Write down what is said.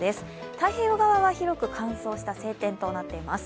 太平洋側は広く乾燥した晴天となっています。